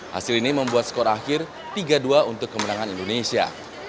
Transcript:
hasil ini membuat skor akhir tiga dua untuk kemenangan indonesia